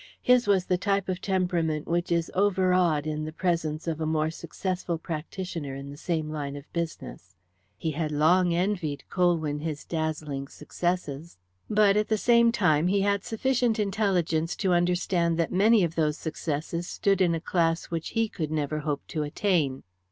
His was the type of temperament which is overawed in the presence of a more successful practitioner in the same line of business. He had long envied Colwyn his dazzling successes, but at the same time he had sufficient intelligence to understand that many of those successes stood in a class which he could never hope to attain.